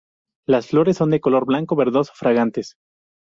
Las flores de color blanco verdoso, fragantes.